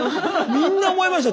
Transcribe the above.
みんな思いましたよ。